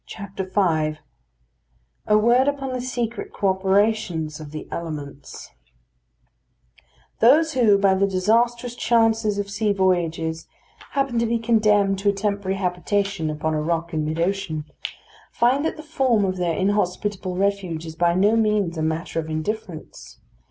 V A WORD UPON THE SECRET CO OPERATIONS OF THE ELEMENTS Those who, by the disastrous chances of sea voyages, happen to be condemned to a temporary habitation upon a rock in mid ocean, find that the form of their inhospitable refuge is by no means a matter of indifference.